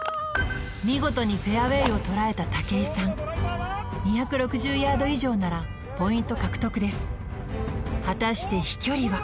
見事にフェアウェイをとらえた武井さん２６０ヤード以上ならポイント獲得です果たして飛距離は？